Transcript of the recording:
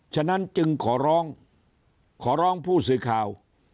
ฉะนั้นจึงขอร้องขอร้องผู้สื่อข่าว